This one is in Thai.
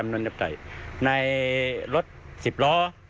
ในรถ๑๐ล้อ